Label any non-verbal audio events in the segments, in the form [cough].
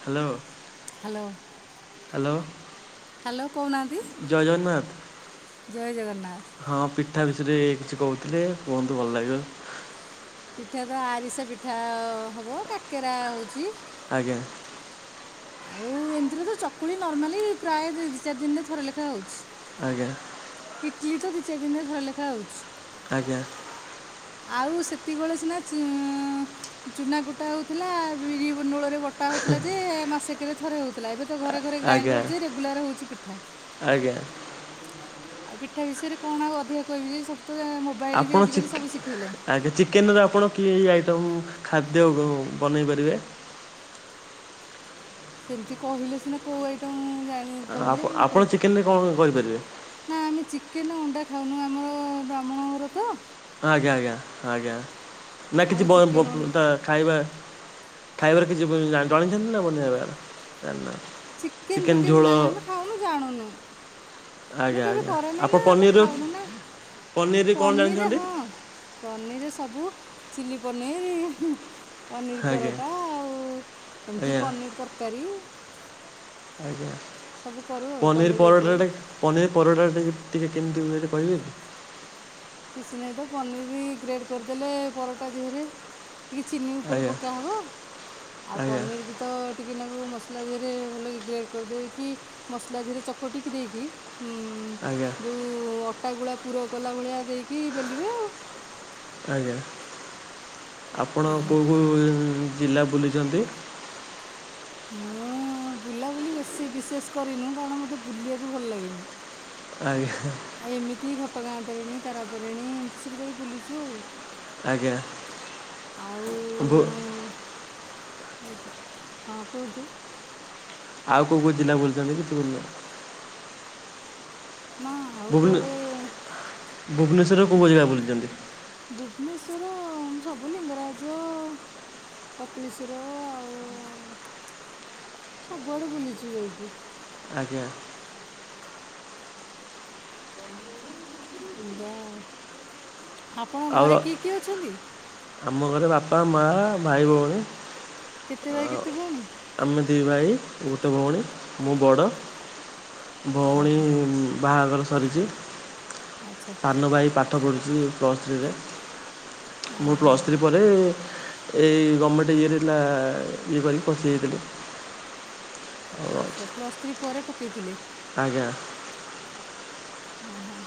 Hello. Hello. Hello. Hello କହୁନାଆନ୍ତି ଜୟ ଜଗନ୍ନାଥ୍। ହଁ ପିଠା ବିଷୟରେ କିଛି କହୁଥିଲେ କୁହନ୍ତୁ ଭଲ ଲାଗିବ। ପିଠା ତ ଆରିସା ପିଠା ହବ କାକେରା ହଉଚି। ଆଜ୍ଞା। ଆଉ ଏମ୍ତିରେ ତ ଚକୁଳି ନର୍ମାଲି ପ୍ରାୟ ଦି ଚାରି ଦିନ୍ରେ ଥରେ ନେଖା ହଉଚି। ଆଜ୍ଞା। ଇଟ୍ଲି ତ ଦି ଚାର୍ ଦିନ୍ରେ ଥରେ ଲେଖା ହଉଚି। ଆଜ୍ଞା। ଆଉ ସେତିକିବେଳେ ସିନା ଚୁନା କୁଟା ହଉଥିଲା ବିରି ନୂଳରେ ବ ପା ହେଉଥିଲା ଯେ ମାସେକେରେ ଥରେ ହଉଥିଲା ଏବେ ତ ଘରେ ଘରେ ଆଜ୍ଞା ଗ୍ରାଇଣ୍ଡର୍ ଯେ ରେଗୁଲାର୍ ହେଉଚି ପିଠା। ଆଜ୍ଞା। ଆଉ ପିଠା ବିଷୟରେ କଣ ଆଉ ଅଧିକା କହିବି ଯେ ସ ମୋବାଇଲ୍ ବି ଆଜିକାଲି ସବୁ ଶିଖେଇଲାଣି। ଚିକେନ୍ରେ ଆପଣ କିଏ ଏହି ଆଇଟମ୍ ଖାଦ୍ୟ ବନେଇ ପାରିବେ। ସେମ୍ତି କହିଲେ ସିନା କୋଉ ଆଇଟମା ମୁଁ ଜାଣି ଆ କହିଲେ ମୁଁ ଆପଣ କହିଲି ଚିକେନ୍ ରେ କଣ କରିପାରିବେ। ନା ଆମେ ଚିକେନ୍ ଅଣ୍ଡା ଖାଉନୁ ଆମର ବ୍ରାହ୍ମଣ ଘର ତ। ଆଜ୍ଞା ଆଜ୍ଞା ଆଜ୍ଞା ନା ଆମେ କିଛି ବ ଚିକେନ୍ ଅଣ୍ଡା ଖାଇବା ଖାଇବାରେ କିଛି ଉ ଜଣେଛନ୍ତି ନା ବନେଇବାର ଜାଣିନା ଚିକେନ ଫିକେନ ନାହିଁ ଆମେ ଖାଉନୁ ଜାଣୁନୁ। ମୁଁ ଆଜ୍ଞା କେବେ ଆଜ୍ଞା କରେନି ଆପଣ ନା ଆମେ ପନିରର ଖାଉନୁ ନା ପନିରରେ କଣ ପନିର ଜାଣିଛନ୍ତି? ହଁ। ପନିର ସବୁ ଚିଲ୍ଲି ପନିର୍ ପନିର ଆଜ୍ଞା ପରଟା ଆଉ ଏମିତି ଆଜ୍ଞା ପନିର ତରକାରୀ। ଆଜ୍ଞା ସବୁ କରୁ ଆଉ ପନିର ଉପରେ ପରଟାଟା ପନିର ପରଟା ଟିକେ ଟିକେ କେମିତି ହୁଏ କହିବେ କି? କିଛି ନାହିଁ ତ ପନିର ଗ୍ରେଡ଼୍ କରିଦେଲେ ପରଟା ଦିହରେ ଟିକେ ଚିନି ଉପରେ ଆଜ୍ଞା ପକାହେବ ଆଉ ଆଜ୍ଞା ପନିର କି ତ ଟିକେନାକୁ ମସଲା ଦେହରେ ଭଲକି ଗ୍ରେଣ୍ଡ୍ କରିଦେଇକି ମସଲା ଧୀରେ ଚକଟିକି ଦେଇକି ଉ ଆଜ୍ଞା ଯେଉଁ ଅଟାଗୁଳା ପୁର କଲା ଭଳିଆ ଦେଇକି ବେଲିବେ ଆଉ। ଆଜ୍ଞା ଆପଣ କୋଉ କୋଉ ଜିଲ୍ଲା ବୁଲିଛନ୍ତି? ମୁଁ ବୁଲାବୁଲି ବେଶି ବିଶେଷ କରିନି କାରଣ ମୋତେ ବୁଲିବାକୁ ଭଲ ଲାଗେନି‌। ଆଜ୍ଞା। ଆ ଏମିତି ଘଟଗାଁ ତରେଣୀ ତାରା ତାରିଣୀ ଏମିତି ସବୁ ଯାଇକି ବୁଲିଛୁ ଆଉ। ଆଜ୍ଞା‌। ଆଉ ହଁ କୁହନ୍ତୁ। ଆଉ କୋଉ କୋଉ ଜିଲ୍ଲା ବୁଛନ୍ତି କିଛି ବୁଲି ନା ନା ଆଉ ଭୁବନେ କୁଆଡେ ଭୁବନେଶ୍ୱରର କୋଉ କୋଉ ଜାଗା ବୁଲିଛନ୍ତି? ଭୁବନେଶ୍ୱର ଅ ସବୁ ଲିଙ୍ଗରାଜ କପିଳେଶ୍ଵର ଆଉ ସବୁଆଡେ ବୁଲିଛୁ ଯାଇକି। ଆଜ୍ଞା। [unintelligible] ଆପଣ ଆଉ ଘରେ କିଏ କିଏ ଅଛନ୍ତି? ଆମ ଘରେ ବାପା ମା ଭାଇ ଭଉଣୀ କେତେ ଆ ଭାଇ କେତେ ଭଉଣୀ ଆମେ ଦି ଭାଇ ଗୋଟେ ଭଉଣୀ ମୁଁ ବଡ଼। ଭଉଣୀ ଓହୋ ବାହାଘର ସରିଛି। ଆଚ୍ଛା। ସାନ ଭାଇ ପାଠ ପଢୁଛି ପ୍ଲସ୍ ଥ୍ରୀରେ। ମୁଁ ଓହୋ ପ୍ଲସ୍ ଥ୍ରୀ ପରେ ଏଇ ଗମେଣ୍ଟ ଇଏରେ ଲା ଇଏ କରିକି ପସିଯାଇଥିଲି। ଆଚ୍ଛା ପ୍ଲସ୍ ଥ୍ରୀ ପରେ ପକେଇଥିଲେ? ଆଜ୍ଞା। ଓହୋ।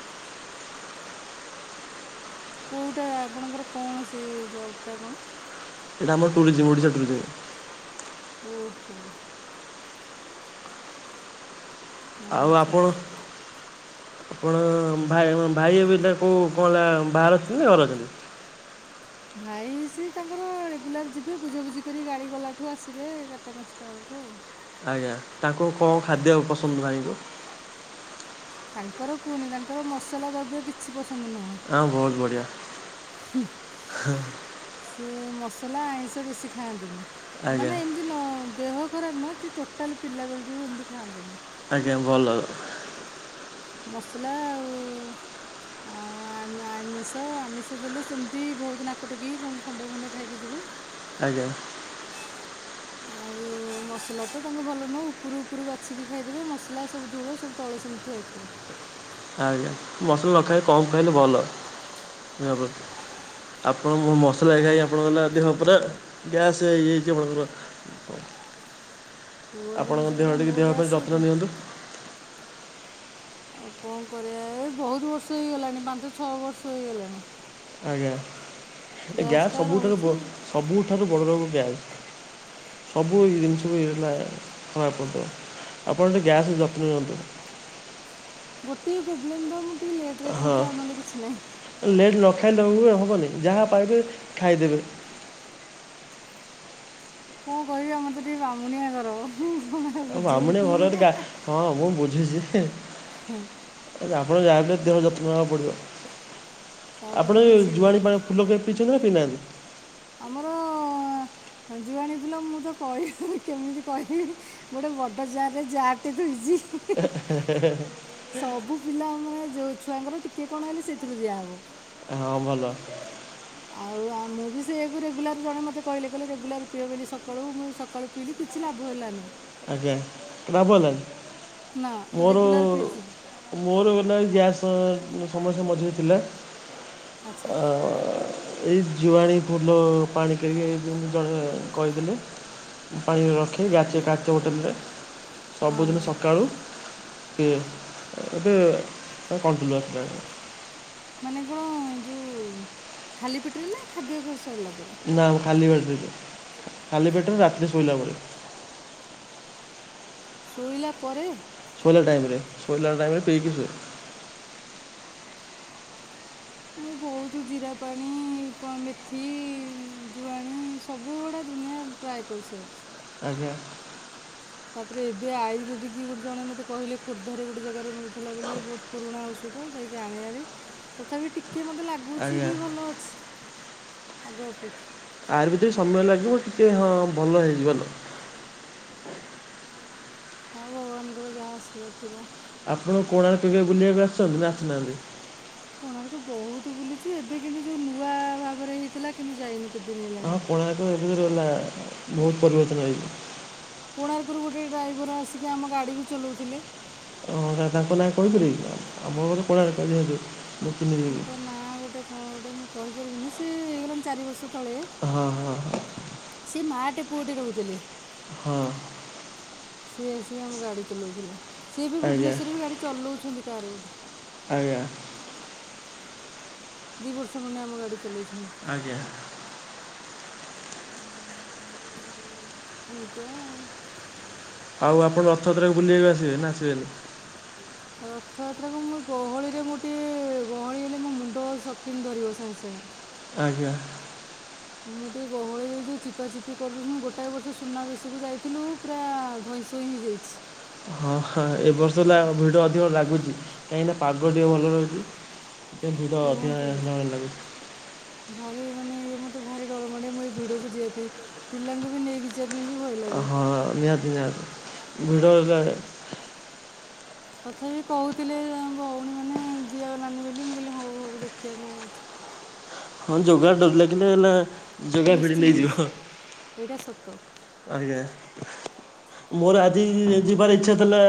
କେଉଟା ଆପଣଙ୍କର କଣ ସେ ଜବ୍ ଟା କଣ? ଏଇଟା ଆମର ଟୁରିଜିମ ଓଡିଶା ଟୁରିଜିମ୍। ହୁଁ ହୁଁ। ଆଉ ଆଚ୍ଛା ଆଚ୍ଛା ଆପଣ ଆପଣ ଭା ଭାଇ ହେବେ ତାକୁ କଣ ତାକୁ ବାହାରେ ରଖିଛନ୍ତି ନା ଘରେ ରଖିଛନ୍ତି? ଭାଇ ସିଏ ତାଙ୍କର ରେଗୁଲାର ଯିବେ ବୁଝାବୁଝି କରି ଗାଡ଼ି ଗଲାଠୁ ଆସିବେ ଚାରିଟା ପାଞ୍ଚଟା ବେଳକୁ ଆଉ। ଆଜ୍ଞା ତାଙ୍କୁ କଣ ଖାଦ୍ୟ ପସନ୍ଦ ଭାଇଙ୍କୁ? ତାଙ୍କର କୁହନି ତାଙ୍କର ମସଲା ଦ୍ରବ୍ୟ କିଛି ପସନ୍ଦ ନୁହଁ। ହଁ ବହୁତ ବଢ଼ିଆ। ସିଏ ମସଲା ଆଇଁଷ ବେଶି ଖାଆନ୍ତିନି ଆଜ୍ଞା ମାନେ ଏମିତି ସେ ଦିନ ଦେହ ଖରାପ ନା ସେ ଟୋଟାଲି ପିଲା ବେଳରୁ ଏମିତି ଖାଆନ୍ତିନି? ଆଜ୍ଞା ଭଲ। ମସଲା ଆଉ। ଆଉ ଆ ଆମିଷ ଆମିଷ ଦେଲେ ସେମିତି ବହୁତ ନାକ ଟେକି ଖଣ୍ଡେ ଖୁଣ୍ଡେ ଖାଇକି ଯିବେ? ଆଜ୍ଞା। ଆଉ ମସଲା ତ ତାଙ୍କୁ ଭଲ ନୁହେଁ ଉପରୁ ଉପରୁ ବାଛିିକି ଖାଇଦେବେ ମସଲା ସବୁ ଝୋଳ ସବୁ ତଳେ ସେମି ଥୁଆହେଇଥିବ। ଆଜ୍ଞା ମସଲା ନ ଖାଇ କମ ଖାଇଲେ ଭଲ। ଆପଣ ମସଲା ଖାଇ ଆପଣ [unintelligible] ଅଧ ପୁରା ଗ୍ୟାସ୍ ହେଇଯାଇଚି। କୁହନ୍ତୁନି ଆପଣଙ୍କ ସେ ଦେହ କଥା ଟିକେ ମୋ ଦେହ ପାଇଁ ଗ୍ୟାସ୍ ଯତ୍ନ ତ ନିଅନ୍ତୁ। ଆଉ କଣ କରିବା ଏ ବୋହୁତ ବର୍ଷ ହେଇଗଲାଣି, ପାଞ୍ଚ ଛଅ ବର୍ଷ ହେଇଗଲାଣି। ଆଜ୍ଞା ଗ୍ୟାସ ଗ୍ୟାସ୍ଟା ରହୁଛି ସବୁଠାରୁ ଆଉ ସବୁଠାରୁ ବଡ ରୋଗ ଗ୍ୟାସ। ସବୁ ଏ ଜିନିଷ [unintelligible] ଆପଣ ଟିକେ ଗ୍ୟାସ ର ଯତ୍ନ ନିଅନ୍ତୁ। ଗୋଟିଏ ପ୍ରୋବ୍ଲେମ୍ ବା ମୁ ଟିକେ ଲେଟ୍ ରେ ଖାଉଚି ଆଉ ନହେଲେ କିଛି ନାହିଁ। ଲେଟ ନ ଖାଇଲେ [unintelligible] ହବନି, ଯାହା ପାଇବେ ଖାଇଦେବେ। କଣ କହିବି ଆମର ଟିକେ ବ୍ରାହ୍ମୁଣିଆ ଘର, ତମେ ଆଉ ବାମୁଣେ ଘର ଗା ହଁ ମୁଁ ବୁଝୁଚି ଯେ [unintelligible] ହୁଁ। ଆ ଆପଣ ଯାହାଲେ ଦେହ ଯତ୍ନ ନେବାକୁ ପଡିବ। ସବୁ ଆପଣ କାମ ଏ ଜୁଆଣି ଛିଣ୍ଡିଲା ପାଣି ଫୁଲ କେ ପିଇଛନ୍ତି ନା ପିଇନାହାନ୍ତି? ଆମର ଯୁଆଣୀ ଫିଲ ମୁଁ ତ କହିବି କେମିତି କହିବି ଗୋଟେ ବଡ ଯାରେ ଯାରଟେ ଥୋଇଚି। [inaudible] ସବୁ ପିଲା ମାନେ ଯୋଉ ଛୁଆଙ୍କର ଟିକେ କଣ ହେଲେ ସେଥିରୁ ଦିଆହେବ। ହଁ ଭଲ। ଆଉ ମୁଁ ବି ସେଇୟକୁ ରେଗୁଲାର ଜଣେ ମୋତେ କହିଲେ କହେ ରେଗୁଲାର ପିଅ ବୋଲି ସକାଳୁ ମୁଁ ସକାଳୁ ପିଇଲିି। କିଛିି ଲାଭ ହେଲାନି। ଆଜ୍ଞା ଭାବନା ନା ମୋର ରେଗୁଲାର ପିଇଛି ମୋର ଗଲା ଗ୍ୟାସ ସମସ୍ୟା ମଝିରେ ଥିଲା। ଆଚ୍ଛା [inaudible] ଏଇ ଜୁଆଣି ଫୁଲ ପାଣି କି ଜଣେ କହିଥିଲି ପାଣି ରଖେ କାଚ ବୋଟଲରେ, ହଁ ସବୁଦିନ ସକାଳୁ ପିଏ ଏବେ [unintelligible] ମାନେ କଣ ଯେଉଁ ଖାଲି ପେଟରେ ନା ଖାଦ୍ୟ କ ସରିଲା ପରେ? ନା ଖାଲି ପେଟରେ ଖାଲି ପେଟରେ, ରାତିରେ ଶୋଇଲା ବେଳେ। ଶୋଇଲା ପରେ। ଶୋଇଲା ଟାଇମ୍ ରେ, ଶୋଇଲା ଟାଇମ୍ ରେ ପିଇକି ସେ ମୁଁ ବହୁତ ଜିରା ପାଣି ମେଥି ଜୁଆଣି ସବୁଗୁଡ଼ା [unintelligible] ଟ୍ରାଇ କରୁ [unintelligible] ଆଜ୍ଞା। ତାପରେ ଏବେ ଆୟୁର୍ବେଦିକ ଗୋଟେ ଜଣେ ମୋତେ କିହିଲେ ଖୋର୍ଦ୍ଧାରେ ଗୋଟେ ଜାଗାରେ ମିଳୁଥିଲା ବୋଲି ବୋହୁତ ପୁରୁଣା ଔଷଧ ଯାଇକି ଆଣିବାରେ ତଥାପି ଟିକେ ମତେ ଲା କୁଚି ଆଜ୍ଞା ବି ଭଲ ଅଛି, ଆଗ ଅପେକ୍ଷା। ଆହାର ଭିତରେ ସମୟ ଲାଗିବ, ଟିକେ ହଁ ଭଲ ହେଇଯିବ ଭଲ। ହଁ ଭଗବାନଙ୍କର ଯାହା ଆଶୀର୍ବାଦ ଥିବ। ଆପଣ କୋଣାର୍କ କେବେ ବୁଲିବାକୁ ଆସିଛନ୍ତି ନା ଆସିନାହାନ୍ତି? କୋଣାର୍କ ବୋହୁତ ବୁଲିଚୁ ଏବେ କିନ୍ତୁ ଯୋଉ ନୂଆ ଭାବରେ ହେଇଥିଲା କିନ୍ତୁ ଯାଇନୁ। କେତେଦିନ ହଁ ହେଲାଣି କୋଣାର୍କ ଏ ଭିତରେ ଗଲା ବୋହୁତ ପରିବର୍ତ୍ତନ ହେଇଚି। କୋଣାର୍କରୁ ଗୋଟେ ଡ୍ରାଇଭର ଆସିକି ଆମ ଗାଡ଼ି ବି ଚଲାଉଥିଲେ। ହଁ ଦାଦାଙ୍କୁ ନାଇଁ କହିଥିଲେ କି ଆମ ଘର କୋଣାର୍କ ଯେହେତୁ ମୁଁ ଚିହ୍ନିଦେବି ତାଙ୍କ ନାଁ ଗୋଟେ କଣ ଗୋଟେ ମୁଁ କହିପାରିବିନି, ସିଏ ହେଇଗଲାଣି ଚାରି ବର୍ଷ ତଳେ। ହଁ ହଁ। ସେ ମାଆଟେ ପୁଅଟେ ରହୁଥିଲେ। ହଁ। ସିଏ ଆସିକି ଆମ ଗାଡ଼ି ଚଲାଉଥିଲେ, ସିଏ ଏବେ ଆଜ୍ଞା ଭୁବନେଶ୍ୱର ବି ଗାଡ଼ି ଚଲାଉଛନ୍ତି କାହାର ଗୋଟେ। ଆଜ୍ଞା। ଦୁଇ ବର୍ଷ ଖଣ୍ଡେ ଆମ ଗାଡ଼ି ଚଲେଇଲେଣୀ। ଆଜ୍ଞା। ପୂଜା ଆଉ ଆଉ ଆପଣ ରଥଯାତ୍ରାରେ ବୁଲିବାକୁ ଆସିବେ ନା ଆସିବେନି? ରଥଯାତ୍ରାକୁ ମୁଁ ଗହଳିରେ ମୋ ଟିକଏ ଗହଳି ହେଲେ ମୋ ମୁଣ୍ଡ ସଟିକିନ ଧରିବ ସାଙ୍ଗେ ସାଙ୍ଗେ। ଆଜ୍ଞା। ମୁଁ ଟିକେ ଗହଳି ରେ ଯୋଉ ଚିପା ଚିପି କରିଦଉଛନ୍ତି ଗୋଟାଏ ବର୍ଷ ସୁନାବେଶକୁ ଯାଇଥିଲୁ ପୁରା ଧଇଁ ସଇଁ ହେଇଯାଇଛି। ହଁ ହଁ ଏବ ବର୍ଷ ହେଲା ଭିଡ ଅଧିକ ଲାଗୁଛି କାହିଁକିନା ପାଗ ଟିକେ ଭଲ ରହୁଛି। ଟିକେ ଭିଡ଼ ଅଧିକା କୁହନ୍ତୁନି ହେଲା ଭଳି ଲାଗୁଚି। ଭାରି ମାନେ ଇଏ ମତେ ଭାରି ଡର ମାଡ଼େ ମୁଁ ଏ ଭିଡ଼ କୁ ଯିବା ପାଇଁ ପିଲାଙ୍କୁ ବି ନେଇକି ଜେବେ ବି ଭୟ ଲାଗେ ହଁ ନିହାତି ନିହାତି ଭିଡ଼ ହେଲେ ତଥାପି କହୁଥିଲେ ଭଉଣୀ ମାନେ ଯିବାକି ନାନୀ ବୋଲି ମୁଁ କହିଲି ହଉ ହଉ ଦେଖିବା କଣ ହଉଛି। ହଁ ଜଗା ଡୋରି ଲାଗିଲେ ହେଲା। ଜଗା ଭିଡ଼ି ନିଶ୍ଚିନ୍ତ ନେଇଯିବ ନିଶ୍ଚନ୍ତ ଏଇଟା ସତ। ଆଜ୍ଞା। ମୋର ଆଜି ଯିବାର ଇଚ୍ଛା ଥିଲା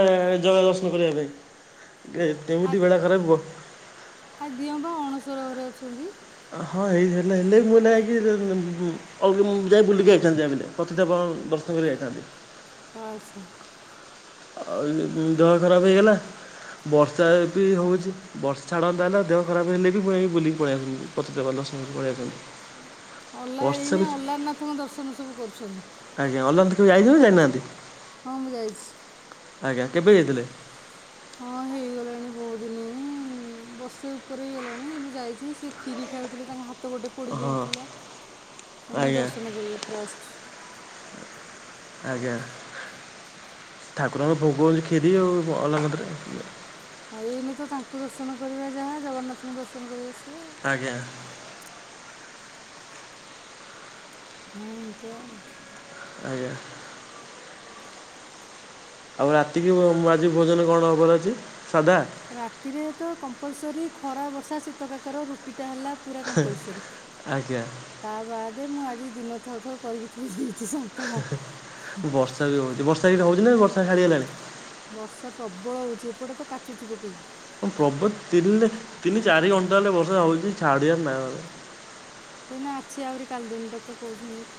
ଜଗା ଦର୍ଶନ କରିବା ପାଇଁ। ଏ କେମିତି ବେଳା ଖରାପ କହ ହାଇ ଦିଅନ ବା ଅଣସର ଘରେ ଅଛନ୍ତି। ହଁ ଏଜ ହେଲେ ହେଲେ ବି କଣ ଲାଗେ। ଆଉ ମୁଁ ଯାଇ ବୁଲିକି ଯାଇଥାନ୍ତି ଯାହା ବି ହେଲେ ପତିତପାବନ ଟା ଦର୍ଶନ କର ଯାଇଥାନ୍ତି। କଳସ। ଆଉ ଦେହ ଖରାପ ହେଇଗଲା ବର୍ଷା ବି ହଉଛି। ବର୍ଷ ଛାଡ଼ନ୍ତା ନାଁ ହେଲା ଦେହ ଖରାପ ହେଲେ ବି ମୁଁ ଯାଇକି ବୁଲିକି ପଳେଇ ଆସନ୍ତି ପଛେ ଯାଇ ପଳେଇଆସନ୍ତି। ଅନଲା ଏଇନା ଅନଲାଇନ ସବୁ ଦର୍ଶନ ସବୁ କରୁଛନ୍ତି। ଆଜ୍ଞା ଅନଲାଇନ କେବେ ଯାଇଥିବି ଜାଣିନାହାନ୍ତି। ହଁ ମୁଁ ଯାଇଛି। ଆଜ୍ଞା କେବେ ଯାଇଥିଲେ? ହଁ ହେଇଗଲାଣି ବହୁତ ଦିନ। ବର୍ଷେ ଉପରେ ହେଇଗଲାଣି ଯେ ମୁଁ ଯାଇଛି ସେଏ କ୍ଷୀରି ଖାଉଥିଲେ ତାଙ୍କ ହାତ ଗୋଟେ ହଁ ପୋଡିଯାଇଥିଲା। ଆମେ ଆଜ୍ଞା ଦର୍ଶନ କରିକି ପଳେଇଆସିଛୁ। ଆଜ୍ଞା ଠାକୁରଙ୍କ ଭୋଗ ହଉଛି ଖୀରି ଆଉ ଅନ୍ନ ପ୍ରସାଦ। ହଁ ଏଇନି ତ ତାଙ୍କୁ ଦର୍ଶନ କରିବା ଯାହା ଜଗନ୍ନାଥଙ୍କୁ ଦର୍ଶନ କରିବା ତାହା। ଆଜ୍ଞା। ଯାହା ହେଇଥିବ। ଆଜ୍ଞା। ଆଉ ରାତିକି ବ ମୁଁ ଆଜି ଭୋଜନ କଣ ହବାର ଅଛି ସାଧା? ରାତିରେ ତ କମ୍ପଲସରି ଖରା ବର୍ଷା ଶୀତ କାକର ରୁଟିଟା ହେଲା ପୁରା କମ୍ପଲସରୀ ଆଜ୍ଞା ତା ବାଦେ ମୁଁ ଆଜି ଦିନ ଥାଉ ଥାଉ କରିକି ଥୋଇ ଦେଇଛି ସନ୍ତୁଳା। ବର୍ଷା ବି ହଉଚି ବର୍ଷା ଇମତି ହଉଚି ନା ବର୍ଷା ଛାଡି ଗଲାଣି? ବର୍ଷା ପ୍ରବଳ ହଉଚି ଏପଟେ ତ କାଚୁଚି ପକେଇକି। ବଂ ପ୍ରବ ଚିରିଲେ ତିନି ତିନି ଚାରି ଘଣ୍ଟା ହେଲେ ବର୍ଷା ହଉଛି ଛାଡିଆର ନା ନାହିଁ। ଏଇନା ଅଛି ଆହୁରି କାଲି ଦିନଟା ତ କହୁଛନ୍ତି।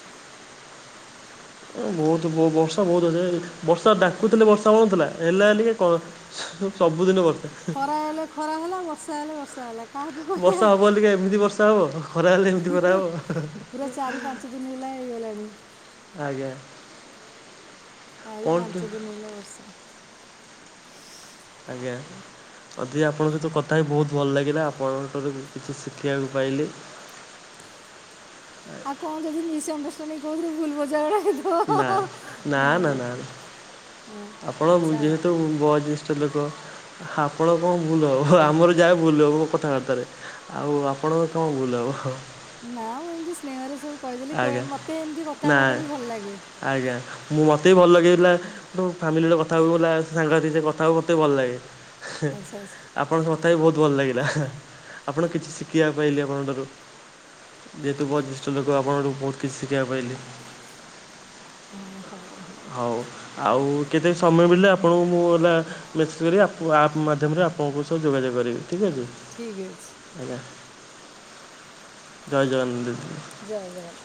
ଏ ବହୁତ ବ ବର୍ଷା ବହୁତ ଅଛି ବର୍ଷା ଡାକୁଥିଲେ ବର୍ଷା ହଉ ନ ଥିଲା ହେଲା ବୋଲି ଟିକେ କଣ ସବୁଦିନେ ବର୍ ଖରା ହେଲେ ଖରା ହେଲା ବର୍ଷା ହେଲେ ବର୍ଷା ହେଲା। କାହାକୁ କହିବା ବର୍ଷା ହବ ବୋଲି ଟିକେ ଏମିତି ବର୍ଷା ହବ ଖରା ହେଲେ ଏମିତି ଖରା ହବ। ପୁରା ଚାରି ପାଞ୍ଚ ଦିନ ହେଲା ହେଇଗଲାଣି। ଆଜ୍ଞା। ଚାରି କ'ଣ ପାଞ୍ଚ ଦିନି ହେଲା ବର୍ଷା। ଆଜ୍ଞା। ଅଧି ଆପଣଙ୍କ ସହିତ କଥା ହେଇ ବହୁତ ଭଲ ଲାଗିଲା ଆପଣଙ୍କ ଠାରୁ କିଛି ଶିଖିବାକୁ ପାଇଲି। ଆଉ କଁ ଯଦି ମିସଅଣ୍ଡରଷ୍ଟାଣ୍ଡିଂ କୋଉଥିରେ ଭୁଲ ବୁଝାମଣା ହେଇଥିବ ନାଁ ନା ହଁ, ନା ନା ନା। ହଁ। ଆପଣ ମୁଁ ଆଚ୍ଛା ଯେହେତୁ ହଉ ବୟଜ୍ୟେଷ୍ଠ ଲୋକ। ଆପଣ କଁ ଭୁଲ ହବ ଆମର ଯାହା ଭୁଲ ହବ କଥାବାର୍ତ୍ତାରେ। ଆଉ ଆପଣଙ୍କର କଁ ଭୁଲ ହବ? ନା ମୁଁ ଏମତି ସ୍ନେହରେ ସବୁ କହିଦେଲି କୁହେ ଆଜ୍ଞା ମତେ ଏମତି କଥା ନା ହେବାଟା ବି ଭଲ ଲାଗେ। ଆଜ୍ଞା ମୁଁ ମତେ ବି ଭଲ ଲାଗେ ହେଇଥିଲା। ହୁଁ ଫାମିଲି ସହିତ କଥା ହେବାକୁ ଭଲ ସାଙ୍ଗସାଥିଙ୍କ ସହିତ କଥା ହେବାକୁ ମତେ ବି ଭଲ ଲାଗେ ହେ ଆଚ୍ଛା ଆଚ୍ଛା ଆପ୍ ଆପଣଙ୍କ ସହ କଥା ହେଇ ବହୁତ ଭଲ ଲାଗିଲା ଆପଣ କିଛି ଶିଖିବାକୁ ପାଇଲି ଆପଣଙ୍କ ଠାରୁ। ଯେହେତୁ ବୟଜ୍ୟେଷ୍ଠ ଲୋକ ଆପଣଙ୍କଠୁ ବହୁତ କିଛି ଶିଖିବାକୁ ପାଇଲି। ହୁଁ ହଉ ହ ହଉ ଆଉ କେତେବେଳେ ସମୟ ମିିଳିଲେ ଆପଣଙ୍କୁ ମୁଁ ହେଲା ମେସେଜ କରି ଆପ ଆପ୍ ମାଧ୍ୟମରେ ଆପଣଙ୍କ ସହ ଯୋଗାଯୋଗ କରିବି ଠିକ୍ ଅଛି। ଠିକ୍ ଅଛି। ଜୟ ଜଗନ୍ନା। ଜୟ ଜଗନ୍